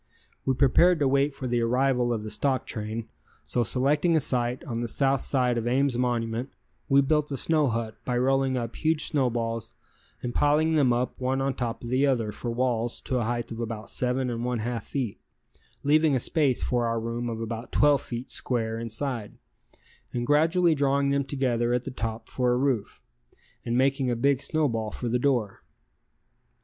We prepared to wait for the arrival of the stock train, so selecting a site on the south side of Ames monument, we built a snow hut by rolling up huge snowballs and piling them up one on top of the other for walls to a height of about seven and one half feet, leaving a space for our room of about twelve feet square inside, and gradually drawing them together at the top for a roof, and making a big snowball for the door.